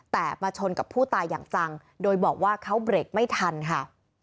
แต่มาชนกับผู้ตายอย่างจังโดยบอกว่าเขาเบรกไม่ทันค่ะ